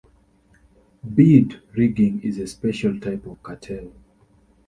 Bid rigging is a special type of cartel.